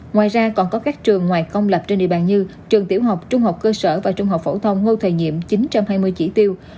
ngoài ra còn có các trường ngoài công lập trên địa bàn như trường tiểu học trung học cơ sở và trung học phổ thông ngô thời nhiệm chín trăm hai mươi chỉ tiêu